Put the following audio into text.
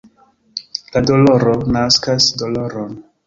La doloro naskas doloron.